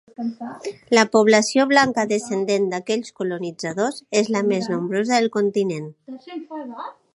La població blanca descendent d'aquells colonitzadors és la més nombrosa del continent.